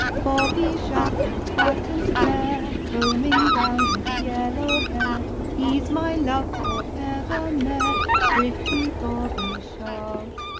Bobby Shaftoe's fat and fair, Combing down his yellow hair; He's my love for evermair, Pretty Bobby Shaftoe.